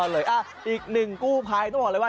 ยอดเลยอ่ะอีกหนึ่งกู้พลายต้องบอกเลยว่า